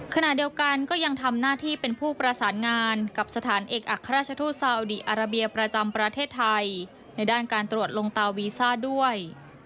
ขณะเดียวกันก็ยังทำหน้าที่เป็นผู้ประสานงานกับสถานเอกอัครราชทูตซาอุดีอาราเบียประจำประเทศไทยในด้านการตรวจลงตาวีซ่าด้วย